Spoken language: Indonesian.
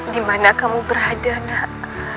dimana kamu berada nak